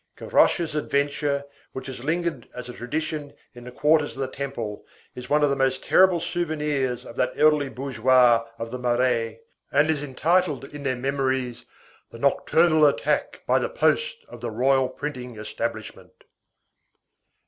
Gavroche's adventure, which has lingered as a tradition in the quarters of the Temple, is one of the most terrible souvenirs of the elderly bourgeois of the Marais, and is entitled in their memories: "The nocturnal attack by the post of the Royal Printing Establishment."